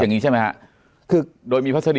อย่างนี้ใช่ไหมครับ